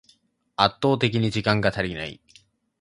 圧倒的に時間が足りない